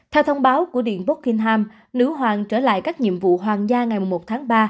theo thông báo của điện buckingham nữ hoàng trở lại các nhiệm vụ hoàng gia ngày mùa một tháng ba